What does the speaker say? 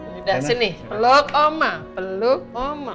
sudah sini peluk oma peluk oma